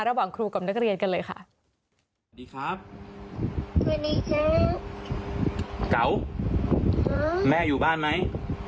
แล้วกลัวผมจะพอพร้อมไหม